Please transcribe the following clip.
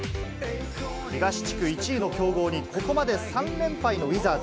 東地区１位の強豪に、ここまで３連敗のウィザーズ。